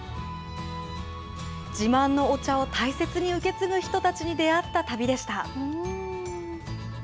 自慢のお茶を大切に受け継ぐ人たちに出会った旅でした。